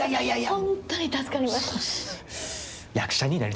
本当に助かりました。